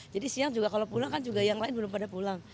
jadi siang kalau pulang kan juga yang lain belum pada pulang